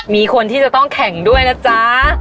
มีคนที่จะต้องแข่งด้วยนะจ๊ะ